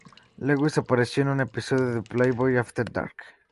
Lewis apareció en un episodio de "Playboy After Dark".